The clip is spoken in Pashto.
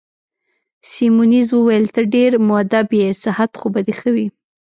سیمونز وویل: ته ډېر مودب يې، صحت خو به دي ښه وي؟